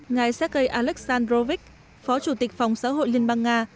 ngài sergei alexandrovich phó chủ tịch phòng xã hội liên bang nga